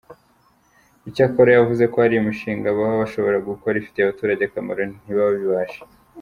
Icyakora yavuze ko hari imishinga baba bashobora gukora ifitiye abaturage akamro ntibabibashe.